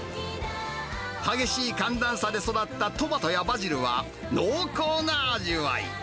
激しい寒暖差で育ったトマトやバジルは濃厚な味わい。